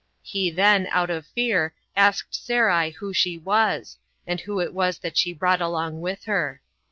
He then, out of fear, asked Sarai who she was, and who it was that she brought along with her.